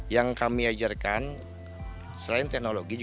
yang kami ajarkan selain teknologinya